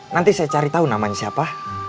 nanti saya cari tahu namanya siapa